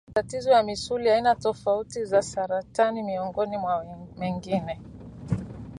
matatizo ya misuli aina tofauti za saratani miongoni mwa mengine